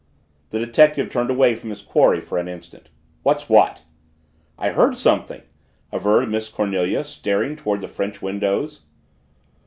The detective turned away from his quarry for an instant. "What's what?" "I heard something," averred Miss Cornelia, staring toward the French windows.